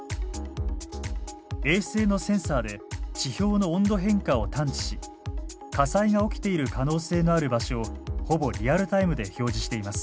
衛星のセンサーで地表の温度変化を探知し火災が起きている可能性のある場所をほぼリアルタイムで表示しています。